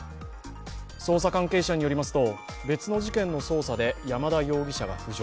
捜査関係者によりますと別の事件の捜査で山田容疑者が浮上。